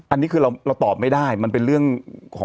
อันนี้คือเราตอบไม่ได้มันเป็นเรื่องของ